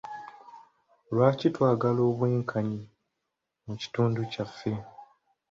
Lwaki twagala obwenkanya mu kitundu kyaffe?